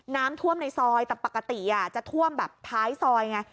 น้ำท่วมในซอยแต่ปกติจะท่วมแบบท้ายซอยไง